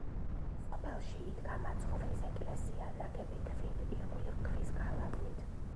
სოფელში იდგა მაცხოვრის ეკლესია, ნაგები ქვით, ირგვლივ ქვის გალავნით.